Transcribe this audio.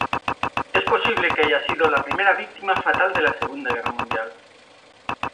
Es posible que haya sido la primera víctima fatal de la Segunda Guerra Mundial.